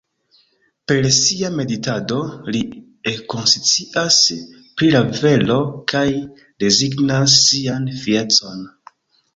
Per sia meditado li ekkonscias pri la vero kaj rezignas sian fiecon.